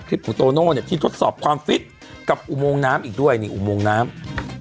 ของโตโน่เนี่ยที่ทดสอบความฟิตกับอุโมงน้ำอีกด้วยนี่อุโมงน้ำ